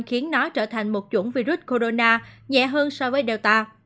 khiến nó trở thành một chủng virus corona nhẹ hơn so với delta